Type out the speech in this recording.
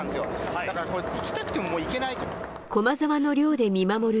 だからこれ、行きたくてももう行けないと。